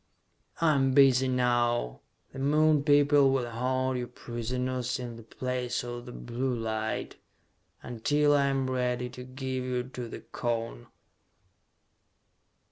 "I am busy now. The Moon people will hold you prisoners in the Place of the Blue light, until I am ready to give you to the Cone!"